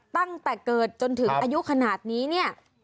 ตั้งแต่เกิดจนถึงอายุขนาดนี้เนี่ย